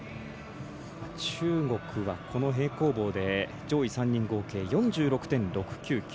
中国はこの平行棒で上位３人合計４６．６９９。